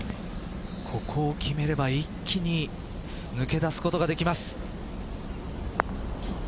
ここを決めれば一気に抜け出すことができます。